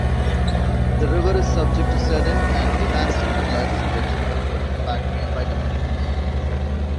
The river is subject to sudden and devastating floods which often impact nearby communities.